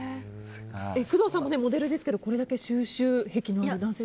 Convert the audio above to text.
工藤さんもモデルですけどこれだけ収集癖のある男性